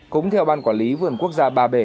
cũng theo ban quản lý vườn quốc gia